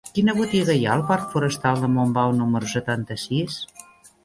Quina botiga hi ha al parc Forestal de Montbau número setanta-sis?